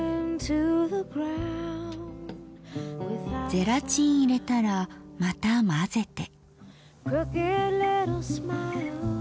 ゼラチン入れたらまた混ぜて。